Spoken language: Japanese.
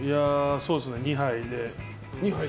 そうですね、２杯で。